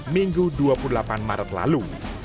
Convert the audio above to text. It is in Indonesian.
minggu dua puluh delapan maret lalu